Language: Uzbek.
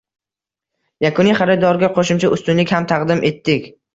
yakuniy xaridorga qo‘shimcha ustunlik ham taqdim etdik.